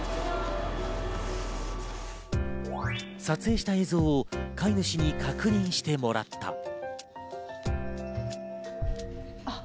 撮影した映像を飼い主に確認してもらった。